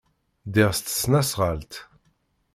Ddiɣ s tesnasɣalt.